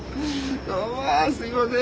うわすいません。